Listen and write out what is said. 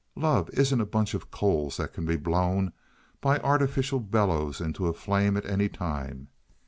Love isn't a bunch of coals that can be blown by an artificial bellows into a flame at any time.